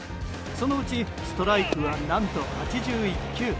そのうちストライクは何と８１球。